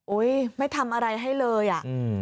โอ้ยไม่ทำอะไรให้เลยอ่ะ